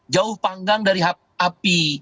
jauh panggang dari api